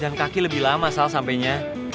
jalan kaki lebih lama soal sampenya